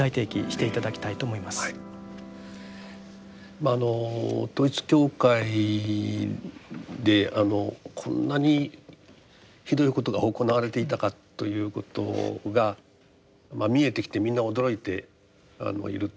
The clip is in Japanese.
まああの統一教会であのこんなにひどいことが行われていたかということが見えてきてみんな驚いていると。